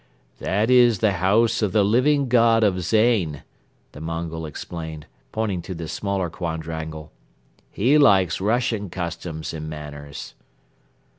"That is the house of the Living God of Zain," the Mongol explained, pointing to this smaller quadrangle. "He likes Russian customs and manners."